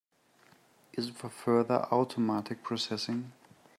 Is it for further automatic processing?